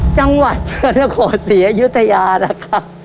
จังหวัดพระนครศรีอยุธยานะคะ